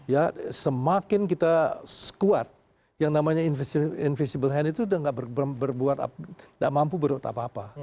ya semakin kita kuat yang namanya invisible hand itu udah nggak berbuat nggak mampu berbuat apa apa